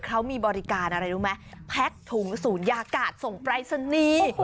เขามีบริการอะไรรู้ไหมแพ็คถุงศูนยากาศส่งปรายศนีย์